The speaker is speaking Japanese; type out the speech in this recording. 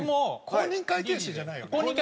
公認会計士じゃない。